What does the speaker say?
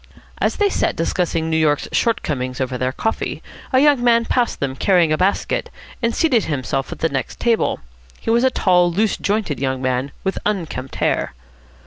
As they sat discussing New York's shortcomings over their coffee, a young man passed them, carrying a basket, and seated himself at the next table. He was a tall, loose jointed young man, with unkempt hair.